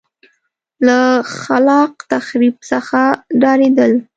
له خلاق تخریب څخه ډارېدل.